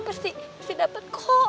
pasti dapet kok